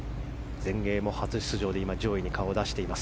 全英も初出場で今、上位に顔を出しています。